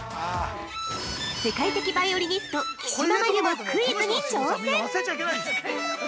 世界的バイオリニスト、木嶋真優もクイズに挑戦！